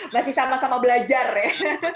masih sama sama belajar ya